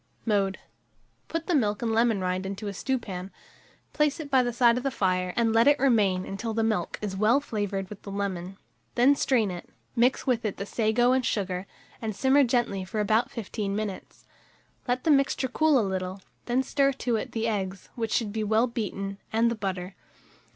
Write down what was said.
Mode. Put the milk and lemon rind into a stewpan, place it by the side of the fire, and let it remain until the milk is well flavoured with the lemon; then strain it, mix with it the sago and sugar, and simmer gently for about 15 minutes. Let the mixture cool a little, and stir to it the eggs, which should be well beaten, and the butter.